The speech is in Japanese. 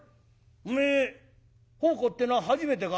おめえ奉公ってのは初めてか？」。